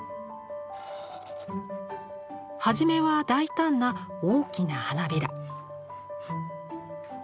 はじめは大胆な大きな花びら。